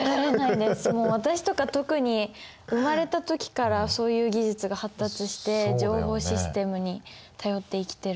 もう私とか特に生まれた時からそういう技術が発達して情報システムに頼って生きてるので。